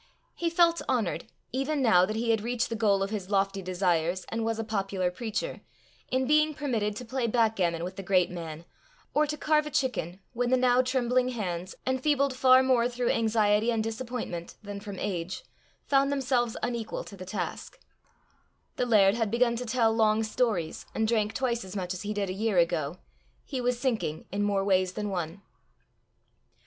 He felt honoured, even now that he had reached the goal of his lofty desires and was a popular preacher, in being permitted to play backgammon with the great man, or to carve a chicken, when the now trembling hands, enfeebled far more through anxiety and disappointment than from age, found themselves unequal to the task: the laird had begun to tell long stories, and drank twice as much as he did a year ago; he was sinking in more ways than one.